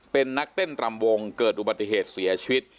เป็นนักเต้นรำวงเกิดอุบัติเหตุเสียชีวิต